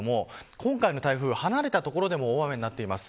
今回の台風は、離れた所でも大雨になっています。